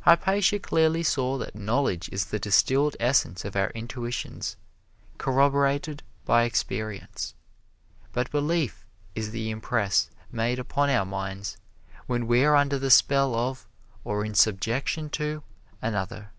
Hypatia clearly saw that knowledge is the distilled essence of our intuitions, corroborated by experience. But belief is the impress made upon our minds when we are under the spell of or in subjection to another.